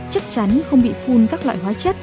chắc chắn không bị phun các loại hóa chất